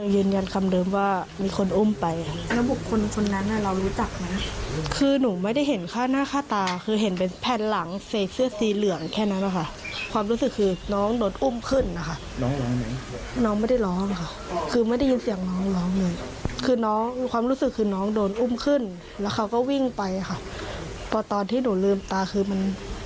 ยืนยันคำเดิมว่ามีคนอุ้มไปแล้วบุคคลคนนั้นน่ะเรารู้จักไหมคือหนูไม่ได้เห็นค่าหน้าค่าตาคือเห็นเป็นแผ่นหลังใส่เสื้อสีเหลืองแค่นั้นนะคะความรู้สึกคือน้องโดนอุ้มขึ้นนะคะน้องไม่ได้ร้องนะคะคือไม่ได้ยินเสียงน้องร้องเลยคือน้องความรู้สึกคือน้องโดนอุ้มขึ้นแล้วเขาก็วิ่งไปค่ะพอตอนที่หนูลืมตาคือมัน